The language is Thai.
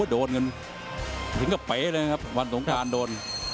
โดนกันถึงกับเป๋เลยนะครับวันสงการโดน